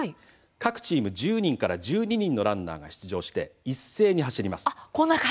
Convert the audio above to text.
各チーム１０人から１２人のランナーが出場して一斉に走ります。